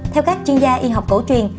theo các chuyên gia y học cổ truyền